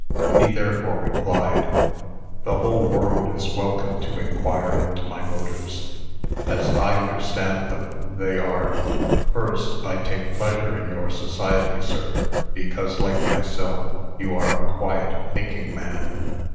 He therefore replied: "The whole world is welcome to inquire into my motives. As I understand them, they are: First, I take pleasure in your society, sir, because, like myself, you are a quiet, thinking man.